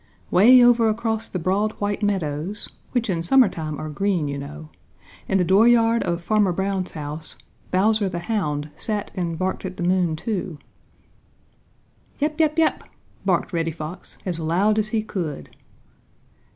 Way over across the broad White Meadows, which in summer time are green, you know, in the dooryard of Farmer Brown's house, Bowser the Hound sat and barked at the moon, too. "Yap yap yap," barked Reddy Fox, as loud as he could.